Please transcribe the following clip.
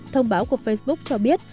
thông báo của facebook cho biết